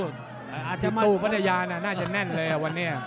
ตู้พัทยาน่าจะแน่นเลยอ่ะวันนี้